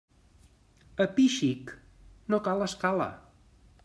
A pi xic no cal escala.